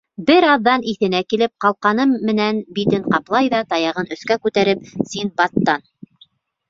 Бер аҙҙан иҫенә килеп, ҡалҡаны менән битен ҡаплай ҙа таяғын өҫкә күтәреп Синдбадтан: